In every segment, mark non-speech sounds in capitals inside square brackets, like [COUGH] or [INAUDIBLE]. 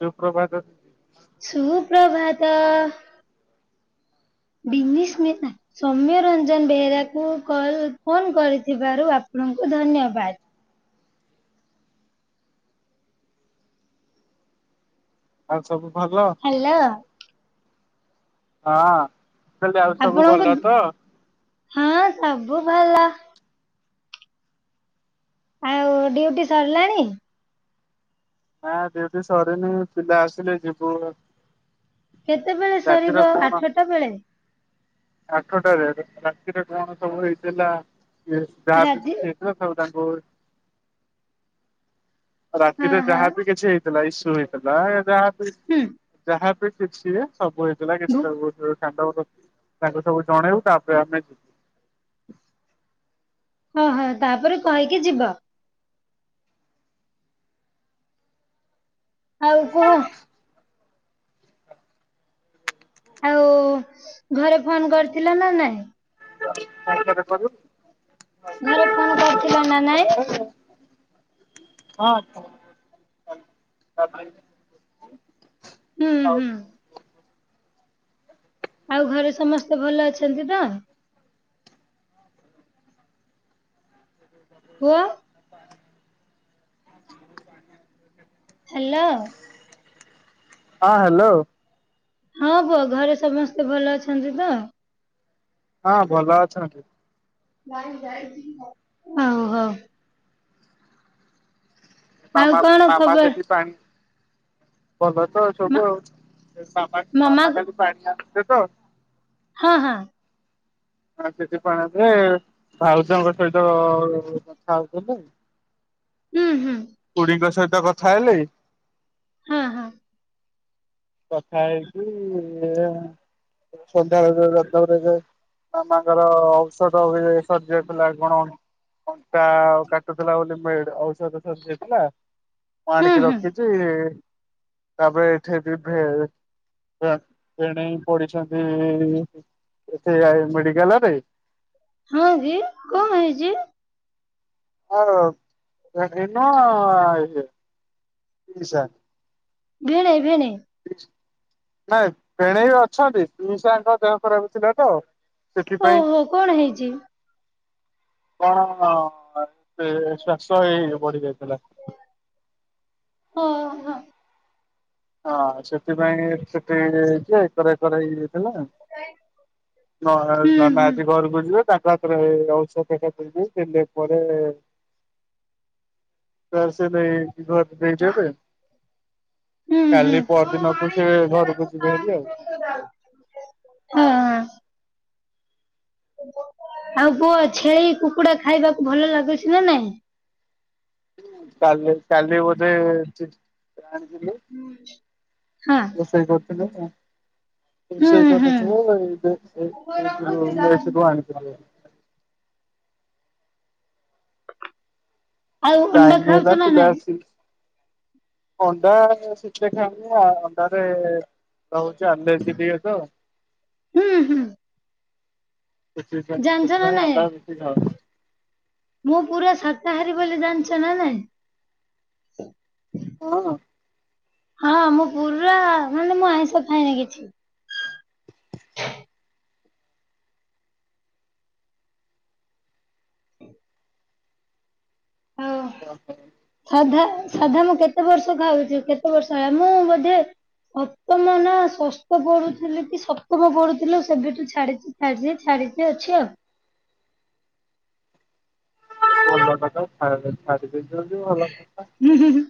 ଶୁପ୍ରଭାତ ସୁପ୍ରଭାତ। ହଁ ବିନିସ୍ ମି ନାଁ ସୌମ୍ୟ ରଞ୍ଜନ ବେହେରାକୁ କଲ ଫୋନ କରିଥିବାରୁ ଆପଣଙ୍କୁ ଧନ୍ୟବାଦ। ଆଉ ସବୁ ଭଲ ହ୍ୟାଲୋ ହଁ କହିଲି ଆଉ ସବୁ ଭଲ ଆପଣଙ୍କୁ ତ ହଁ ସବୁ ଭଲ। ଆଉ ଡ୍ୟୁଟି ସରିଲାଣି? ନା ଡ୍ୟୁଟି ସରିନି ପିଲା ଆସିଲେ ଯିବୁ। କେତେବେଳେ ରାତିରେ ସରିବ କଣ ଆଠଟା ବେଳେ? ଆଠଟାରେ ରାତିରେ କଣ ସବୁ ହେଇଥିଲା ଏ ରାତି ଯାହା [UNINTELLIGIBLE] ତାଙ୍କୁ ହଁ ରାତିରେ ହଁ ଇଥିଲା ଇସୁ ହେଇଥିଲା ଯାହାବି ହୁଁ ଯାହାବି କିଛି ଇଏ ସବୁ ହେଇଥିଲା କିଛି ଭୁ ସବୁଣ୍ଡ ତାଙ୍କୁ ସବୁ ଜଣେଇବୁ ତାପରେ ଆମେ ଯିବୁ। ଓହୋଃ ତାପରେ କହିକି ଯିବ। ଆଉ କୁହ? ଆଉ ଘରେ ଫୋନ କରିଥିଲ ନା ନାଇଁ? [UNINTELLIGIBLE] କରୁ ଘରେ ଫୋନ କରିଥିଲେ ନା ନାଇଁ? ହଁ ଫୋ [UNINTELLIGIBLE] ହୁଁ ହୁଁ। ଆଉ ଘରେ ସମସ୍ତେ ଭଲ ଅଛନ୍ତି ତ? [UNINTELLIGIBLE] ପୁଅ ହ୍ୟାଲୋ ହଁ ହ୍ୟାଲୋ ହଁ ପୁଅ ଘରେ ସମସ୍ତେ ଭଲ ଅଛନ୍ତି ତ? ହଁ ଭଲ ଅଛନ୍ତି। [UNINTELLIGIBLE] ଅ ହଉ। ଆଉ କଣ [UNINTELLIGIBLE] ଖବର? ସେଠୀ ପାଣି ଭଲ ତ ମା ସବୁ ଆଉ ବାମା ମାମା କାଲି ପାଣି ଢାଳିଥିଲେ ତ ହଁ ହଁ। [UNINTELLIGIBLE] ପାଣିରେ ଭାଉଜଙ୍କ ସହିତ କଥା ହଉଥିଲେ। ହୁଁ ହୁଁ। ଖୁଡିଙ୍କ ସହିତ କଥା ହେଲି। ହଁ ହଁ। କଥା ହେଇକି ସନ୍ଧ୍ୟା। [UNINTELLIGIBLE] ମାମାଙ୍କର ଔଷଧ ହୁଏ ସରିଯାଇଥିଲା କଣ। ଅଣ୍ଟା କାଟୁଥିଲା ବୋଲି ମେଡ୍ ଔଷଧ ସରିଯାଇଥିଲା। ମୁଁ ହୁଁ ଆଣିକି ହୁଁ ରଖିଚି। ତାପରେ ଏଠି। [UNINTELLIGIBLE] ଭେଣେଇ ପଡିଛନ୍ତି ଏ ମେଡିକାଲରେ ହଁ କିି। କଣ ହେଇଚି? [UNINTELLIGIBLE] ଲିସା ଭେଣେଇ ଭେଣେଇ। ନାଇଁ ଭେଣେଇ ଅଛନ୍ତି। ପିଇସା ଙ୍କ ଦେହ ଖରାପ ଥିଲା ତ। ସେଥିପାଇଁ ଓହୋ କଣ ହେଇଛି? କଣ ସେ ଶ୍ୱାସ ଏଇ ବଢି ଯାଇଥିଲା। ହଁ। ହଁ। ସେଥିପାଇଁ ସେଠି ଯେ ଏକର ହେକର ହେଇଯାଇଥିଲା। ନହେଲ୍ ହୁଁ ନନା ହୁଁ ଆଜି ଘରକୁ ବୁଝିଲେ ତାଙ୍କ ହାତରେ ଔଷଧ ଟା ଦେଇ ଦେଇ [UNINTELLIGIBLE] ପରେ ସେ ଆସିଲେ କି ଘରେ ଦେଇ ଦେବେ। ଉଁ ହୁଁ। ହଁ। ପରଦିନକୁ ସେ ଘରକୁ ଯିବେ ହେରି ଆଉ। ଆଉ କୁହ ଛେଳି କୁକୁଡା ଖାଇବାକୁ ଭଲ ଲାଗୁଚି ନା ନାହିଁ? କାଲି କାଲି ବୋଧେ ଚିକେନ ଆଣିଥିଲି। ହଁ। ରୋଷେଇ କରୁଥିଲେ। [UNINTELLIGIBLE] ହୁଁ ହୁଁ ମେସ ରୁ ଆଣିଥିଲେ। ଆଉ ଅଣ୍ଡା ଟାଇମ୍ ଖାଉଛ ହେଲା ନା ପିଲା ନାଇଁ? ଆସିସ୍ ଅଣ୍ଡା ସିଜା [UNINTELLIGIBLE] ଅଣ୍ଡାରେ ରହୁଚି ଚି ଆଲର୍ଜି ଟିକେ ତ। ହୁଁ ହୁଁ ଜାଣିଛ ନା ନାଇଁ [UNINTELLIGIBLE] ମୁଁ ପୁରା ଶାକାହାରୀ ବୋଲି ଜାଣିଚ ନା ନାଇଁ? [UNINTELLIGIBLE] ହଁ ମୁଁ ପୁରା ମାନେ ମୁଁ ଆଇଁଷ ଖାଏନି କିଛି। [UNINTELLIGIBLE] [UNINTELLIGIBLE] ସାଧା ସାଧା ମୁଁ କେତେ ବର୍ଷ ଖାଉଚି କେତେ ବର୍ଷ ହେଲା ମୁଁ ବୋଧେ ସପ୍ତମ ନା ଷଷ୍ଟ ପଢୁଥିଲି କି ସପ୍ତମ ପଢୁଥିଲି ସେବେଠୁ ଛାଡିଚି। ଛାଡିଚି ଯେ ଛାଡିଚି ଅଛି ଆଉ। ଭଲ କଥା। ଛାଡିଦେଇଚ ଯଦି ଭଲ କଥା। ହୁଁ ହୁଁ ହୁଁ।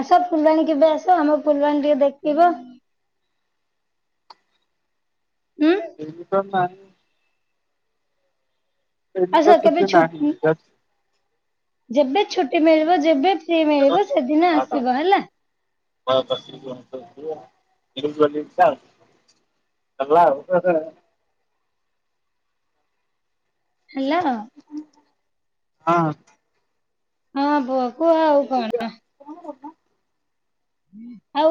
ଆସ ଫୁଲବାଣୀ କେବେ ଆସ ଆମ ଫୁଲବାଣୀ ଟିକେ ଦେଖିବ। ହୁଁ [UNINTELLIGIBLE] ଏଇଠି ତ ଆସ କେବେ ଛୁଟି ନାହିଁ। [UNINTELLIGIBLE] ଯେବେ ଛୁଟି ମିଳିବ ଯେବେ ଫ୍ରି ମିଳିବ ସେଦିନ ଆସିବ ହେଲା। [UNINTELLIGIBLE] ହେଲା ଆଉ [UNINTELLIGIBLE] ହେଲା ହଁ। ହଁ ପୁଅ କୁହ ଆଉ କଣ। ଆଉ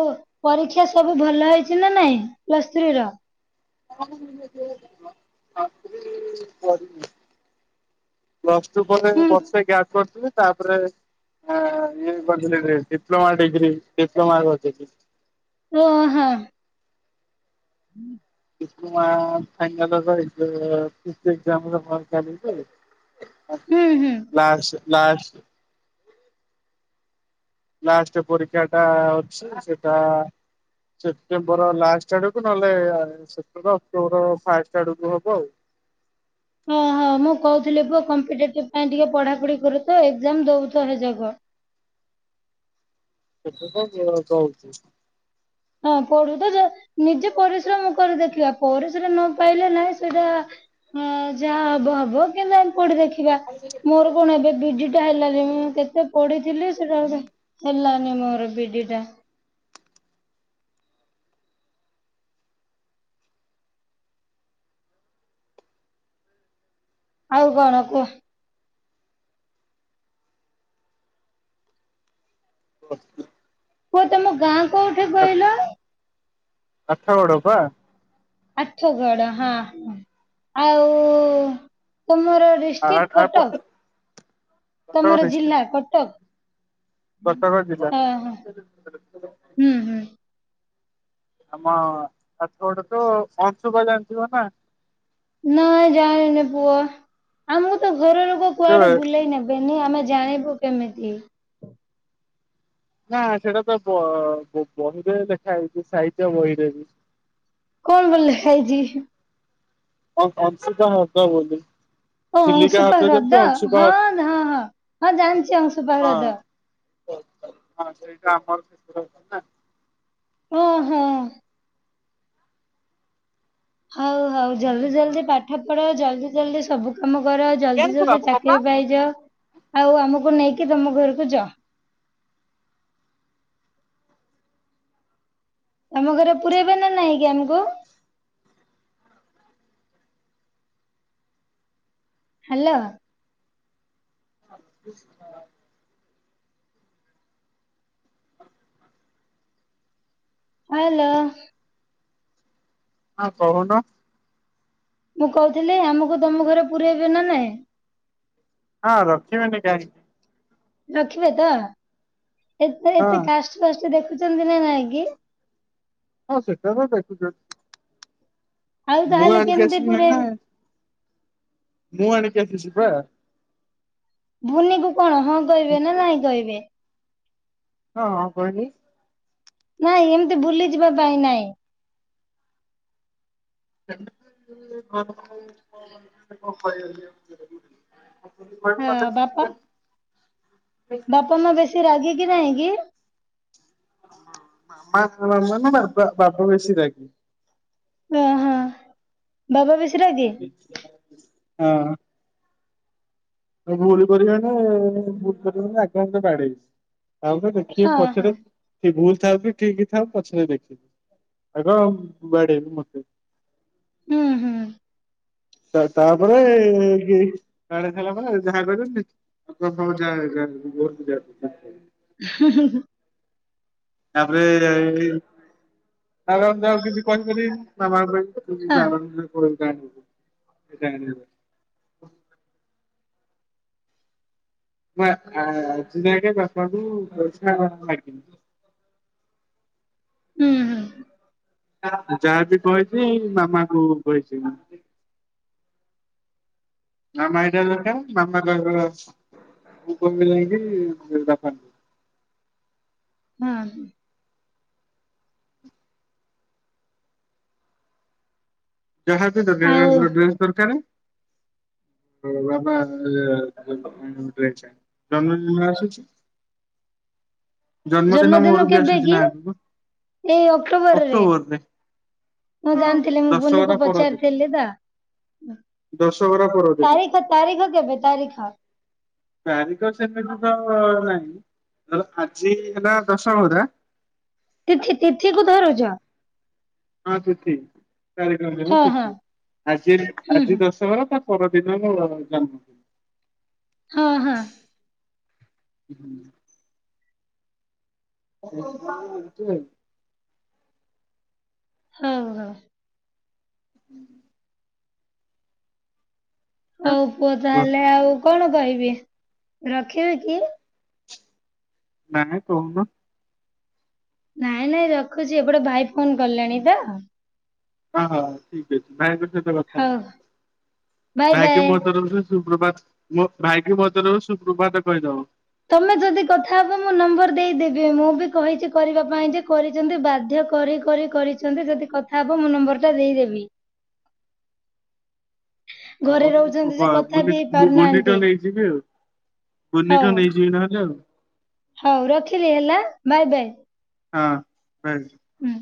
ପରୀକ୍ଷା ସବୁ ଭଲ ହେଇଚି ନା ନାଇଁ ପ୍ଲସ ଥ୍ରୀ ର? [UNINTELLIGIBLE] ପ୍ଲସ୍ ଟୁ ପରେ ହୁଁ ବର୍ଷେ ଗ୍ୟାପ୍ କରିଥିଲି। ତାପରେ ଇଏ କରିଥିଲି ଡିପ୍ଲୋମା ଡିଗ୍ରୀ ଡିପ୍ଲୋମା କରିଦେଇଥିଲି। ଓ ହଁ। ଡିପ୍ଲୋମା ଫାଇନାଲର ଏକ୍ସାମ ଏକ୍ସାମ୍ ର ଫର୍ମ ଚାଲିଛି ସେ [INAUDIBLE] ହୁଁ ହୁଁ। ଲାସ ଲାସ୍ ଲାଷ୍ଟ ପରୀକ୍ଷାଟା ଅଛି ସେଟା ସେପ୍ଟେମ୍ବର ଲାଷ୍ଟ ଆଡକୁ ନହେଲେ ସେପ୍ଟେମ୍ବର ଅକ୍ଟୋବର ଫାଷ୍ଟ ଆଡକୁ ହବ ଆଉ। ହଁ ହଁ ମୁଁ କହୁଥିଲି ପୁଅ କମ୍ପିଟେଟିଭ ପାଇଁ ଟିକେ ପଢାପଢି କରୁଥାଅ ଏକ୍ଜାମ ଦଉଥାଅ ହେଯାକ। କେତେତ ଦିଅ କହୁଛି। ହଁ ପଢୁଥା ନିଜେ ପରିଶ୍ରମ କରି ଦେଖିବା ପରିଶ୍ରମରେ ନ ପାଇଲେ ନାହିଁ ସେଇଟା ହଁ ଯାହା ହବ ହବ କିନ୍ତୁ ଆମେ ପଢି ଦେଖିବା ମୋର କଣ ଏବେ ବିଡିଟା ହେଲାନି ମୁଁ କେତେ ପଢିଥିଲି ସେଟା ଗୁଟେ ହେଲାନି ମୋର ବିଡିଟା। ଆଉ କଣ କୁହ? ହଁ ପୁଅ ତମ ଗାଁ କୋଉଠି କହିଲ? ଆଠଗଡ ପା। ଆଠଗଡ ହଁ ହଁ ଆଉ ତୁମର? ଆ ଆ ଡିଷ୍ଟ୍ରିକ୍ଟ କଟକ ତମର ଜିଲ୍ଲା ଡିଷ୍ଟ୍ରିକ୍ଟ କଟକ? କଟକ ଜିଲ୍ଲା। ଓହୋ ହୁଁ ହୁଁ। ଆମ ଆଠଗଡ଼ରେ ତ ଅଂଶୁପା ଜାଣିଥିବ ନା? ନାଇଁ ଜାଣିନି ପୁଅ ଆମକୁ ତ ଘର ଲୋକ ଯୋଉ କୁଆଡେ ବୁଲେଇ ନେବେ ବେନି ଆମେ ଜାଣିବୁ କେମିତି। ନା ସେଇଟା ତ ବ ବହିରେ ଲେଖା ହେଇଛି ସାହିତ୍ୟ ବହିରେବି। କଣ କଣ ଲେଖା ହେଇଛି। କଣ ଅଂଶୁପା ହ୍ରଦ ବୋଲି। ଓ ଚିଲିକା ଅଂଶୁପା ଯେମିତି ହ୍ରଦ ଅଂଶୁପା ହଁ ହ୍ରଦ ହଁ ହଁ ହଁ ଜାଣିଛି ଅଂଶୁପା ହଁ ହ୍ରଦ। ହଁ ସେଇଟା ଆମର ଓ ହଁ। ହଉ ହଉ ଜଲଦି ଜଲଦି ପାଠ ପଢ ଜଲଦି ଜଲଦି ସବୁ କାମ କର ଜଲଦି ଜଲଦି ଚାକିରି ପାଇଯାଅ ଆଉ ଆମକୁ ନେଇକି ତମ ଘରକୁ ଯଅ। ତମ ଘରେ ପୁରେଇବେ ନା ନାଇଁକି ଆମକୁ? ହ୍ୟାଲୋ। ଆ [INAUDIBLE] ହେଲୋ। ହଁ କହୁନ? ମୁଁ କହୁଥିଲି ଆମକୁ ତମ ଘରେ ପୁରଇବେ ନା ନାଇଁ? ହଁ ରଖିବେନି କାହିଁକି। ରଖିବେ ତ ଏତେ ହଁ ଏତେ କାଷ୍ଟ ଫାଷ୍ଟ ଦେଖୁଛନ୍ତି ନା ନାଇଁ କି? ହଁ ସେଟା ତ ଦେଖୁଛନ୍ତି। ଆଉ ମୁଁ ତାହେଲେ ଆଣିକି କେମିତି ଆସିଲି ପୁରେଇବେ? ମୁୂ ଆଣିକି ଆସିଛିପା। ଭୂନି କୁ କଣ ହଁ କହିବେ ନା ନାହିଁ କହିବେ। ହଁଁ କହିଲି। ନାଇଁ ଏମିତି ବୁଲିଯିବା ପାଇଁ ନାଇଁ। [UNINTELLIGIBLE] ହଁ ବାପା ବାପା ମା ବେଶୀ ରାଗୀ କି ନାହିଁ କି? ମାମା ମାମା ନା ବାପ ବାବା ବେଶୀ ରାଗି। ଓଁ ହଁ। ବାବା ବେଶି ରାଗି? ହଁ। ଭୁଲ କରିବାନି ଭୁଲ କରିବନି ଆଗେ ଆଇଲେ ବାଡେଇବି ଆଉ କାଇଁ କହିବି। [UNINTELLIGIBLE] [INAUDIBLE] କିଏ ହଁ ହଁ ପଛରେ ଭୁଲ ଥାଉ କି ଠିକ୍ ଥାଉ ପଛରେ ଦେଖିବି ଆଗ ବାଡେଇବେ ମତେ। ହୁଁ ହୁଁ ତା-ତାପରେ କି ବାଡେଇସାଇଲା ପରେ ଯାହା କହିବେ [INAUDIBLE] [UNINTELLIGIBLE] [INAUDIBLE] ହୁଁ ହୁଁ ହୁଁ। ତାପରେ ତାପରେ ଆଉ [UNINTELLIGIBLE] କିଛି ହଁ କହିପାରିବେନି [UNINTELLIGIBLE] [UNINTELLIGIBLE] [INAUDIBLE] ମୁଁ ଆ-ଆଜି ଯାଗେଁ ବାପାଙ୍କୁ ପଇଷା ମାଗିନି। ହୁଁ ହୁଁ। ଯାହା ବିି କହିବି ମାମାକୁ କହିଚି। ମାମା ଏଇଟା ଦରକାର ମାମା କହିବେ ଯାଇଁକି ବାପାଙ୍କୁ। ହୁଁ ହୁଁ। ଜାହାବି ଦରକାର ଆଉ [UNINTELLIGIBLE] ଡ୍ରେସ୍‌ ଦରକାର। ବାବା ଏ [UNINTELLIGIBLE] ଡ୍ରେସ ଆଣିବିଜନ୍ମଦିନ ଆସୁଚ। [INAUDIBLE] ଜନ୍ମଦିନ ମୋର ବି କେବେ ଆସୁଚି କି? ନା ଆଗକୁ ଅକ୍ଟୋବରରେ। ମୁଁ ହଁ ଜାଣିଥିଲେ ମୁଁ ବୁନି ମୁଁ ଦଶହରା ପରଦିନ ପଚାରିଥିଲି ତ ଦଶହରା ପରଦିନ ତାରିଖ ତାରିଖ କେବେ ତାରିଖ? ତାରିଖ ସେବେଠୁ ତ ନାହିଁ। ଧର ଆଜି ହେଲା ଦଶହରା। ତିଥି ତିଥି କୁ ଧରୁଚ? ହଁ ତିଥି ତାରିଖ ନୁହଁ ହଁ ହଁ ତିଥି ଆଜି ହୁଁ ଆଜି ହୁଁ ଦଶହରା ତା ପରଦିନ ମୋ ଜନ୍ମ ଦିନ। ହଁ ହଁ। ହୁଁ। [UNINTELLIGIBLE] ହୋଉ ହୋଉ। ହୁଁ। ହୋଉ ପୁଅ ତାହଲେ ଆଉ କଣ କହିବି ରଖିବି କି? ନାଇଁ କୋହୁନ। ନାଇଁ ନାଇଁ ରଖୁଚି ଏପଟେ ଭାଇ ଫୋନ୍ କଲେଣି ତ। ହଁ ହଁ ହ ଠିକ୍ ଅଛି ଭାଇଙ୍କ ସହିତ କଥା ହଉ ହୁଅ। ବାଏ ଭାଇ କି ବାଏ। ମୋ ତରଫରୁ ସୁପ୍ରଭାତ ମୋ ଭାଇକି ମୋତରଫରୁ ସୁପ୍ରଭାତ କହିଦବ। ତମେ ଯଦି କଥା ହବ ମୁଁ ନମ୍ବର ଦେଇଦେବି। ମୁଁ ବି କହିଚି କରିବା ପାଇଁ ଯେ କରିଚନ୍ତି ବାଧ୍ୟ କରି କରି କରିଚନ୍ତି ଯଦି କଥା ହବ ମୁଁ ନମ୍ବରଟା ଦେଇଦେବି। ହଁ ଘରେ ହଁ ରହୁଛନ୍ତି ଯେ କଥା ବି [UNINTELLIGIBLE] ହେଇ ମୁଁ ପାରୁନାହାନ୍ତି। ମନିଟର ହେଇଯିବି ଆଉ। ମନିଟର ନେଇଯିବି ନହେଲେ ଆଉ। ହୋଉ ରଖିଲି ହେଲା ବାଏ ବାଏ। ହଁ ବାଏ। ହୁଁ।